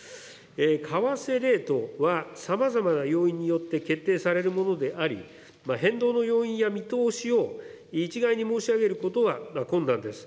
為替レートはさまざまな要因によって決定されるものであり、変動の要因や見通しを一概に申し上げることは困難です。